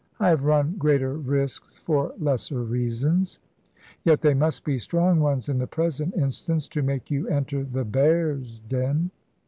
I have run greater risks for lesser reasons." "Yet they must be strong ones in the present instance, to make you enter the bear's den."